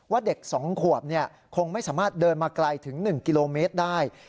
เด็ก๒ขวบคงไม่สามารถเดินมาไกลถึง๑กิโลเมตรได้